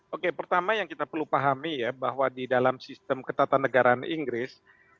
oke pertama yang kita perlu pahami ya bahwa di dalam sistem ketatanegaraan inggris